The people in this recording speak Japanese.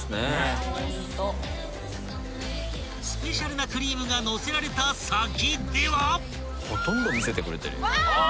［スペシャルなクリームがのせられた先では］